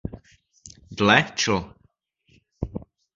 Dle čl.